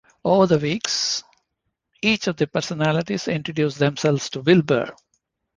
Over the weeks, each of the personalities introduce themselves to Wilbur.